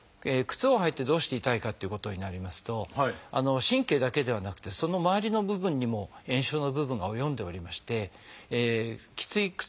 靴を履いてどうして痛いかということになりますと神経だけではなくてその周りの部分にも炎症の部分が及んでおりましてきつい